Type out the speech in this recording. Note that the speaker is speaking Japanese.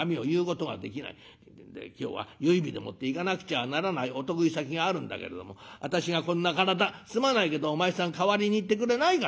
で今日は結い日でもって行かなくちゃならないお得意先があるんだけれども私がこんな体すまないけどお前さん代わりに行ってくれないかってえんでしょ。